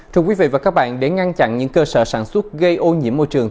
thưa quý vị và các bạn để ngăn chặn những cơ sở sản xuất gây ô nhiễm môi trường